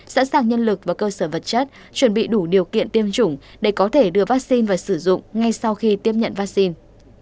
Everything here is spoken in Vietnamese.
sẵn sàng nhân lực và cơ sở vật chất chuẩn bị đủ điều kiện tiêm chủng để có thể đưa vaccine vào sử dụng ngay sau khi tiếp nhận vaccine